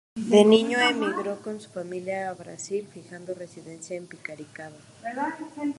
De niño, emigró con su familia al Brasil, fijando residencia en Piracicaba.